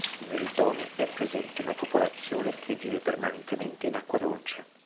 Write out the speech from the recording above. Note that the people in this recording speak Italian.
Nel Don è presente una popolazione che vive permanentemente in acqua dolce.